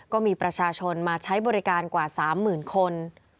ก็มีประชาชนมาใช้บริการกว่า๓๐๐๐คน